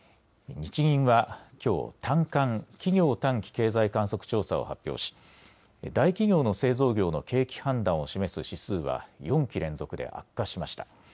日銀はきょう短観・企業短期経済観測調査を発表し大企業の製造業の景気判断を示す指数は４期連続で悪化しました。